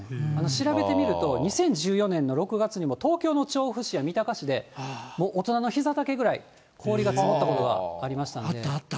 調べてみると２０１４年の６月にも、東京の調布市や三鷹市でも大人のひざ丈ぐらい、氷が積もったことあった、あった。